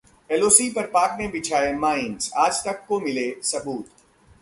LoC पर पाक ने बिछाए माइन्स, आज तक को मिले सबूत